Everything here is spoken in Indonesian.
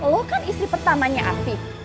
lo kan istri pertamanya aktif